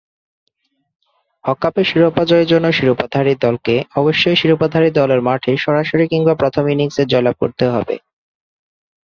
হক কাপের শিরোপা জয়ের জন্য শিরোপাধারী দলকে অবশ্যই শিরোপাধারী দলের মাঠে সরাসরি কিংবা প্রথম ইনিংসে জয়লাভ করতে হবে।